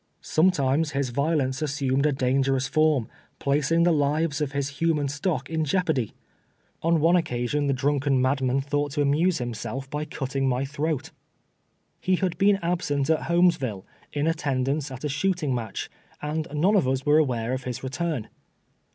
Sometimes his violence assumed a dangerous form, placing the lives of his human stock in jeop ardy. On one occasion the drunken madman thought to amuse himself by cutting my throat. He had been absent at Ilolmesville, in attendance at a shooting match, and none of us were aware of his return.